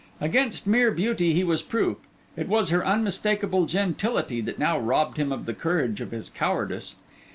Against mere beauty he was proof: it was her unmistakable gentility that now robbed him of the courage of his cowardice.